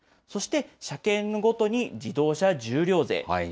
そして車検ごとに自動車重量税。